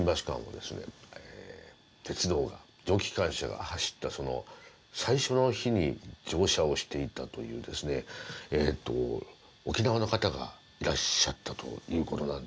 鉄道が蒸気機関車が走ったその最初の日に乗車をしていたというですね沖縄の方がいらっしゃったという事なんでですね